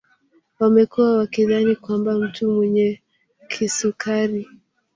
Wamekuwa wakidhani kwamba mtu mwenye kisukari